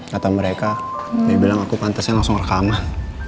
kata mereka dia bilang aku pantasnya langsung rekaman